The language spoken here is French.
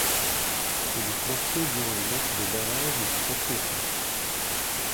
Les buts marqués durant les matchs de barrage ne sont pas pris en compte.